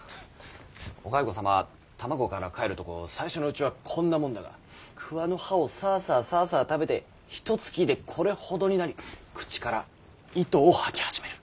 お蚕様は卵からかえるとこう最初のうちはこんなもんだが桑の葉をサアサアサアサア食べてひとつきでこれほどになり口から糸を吐き始める。